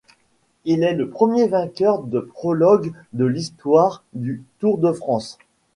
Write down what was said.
Il est le premier vainqueur de prologue de l'histoire du Tour de France.